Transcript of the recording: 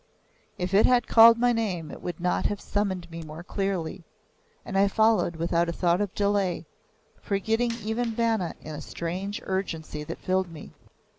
If it had called my name it could not have summoned me more clearly, and I followed without a thought of delay, forgetting even Vanna in the strange urgency that filled me.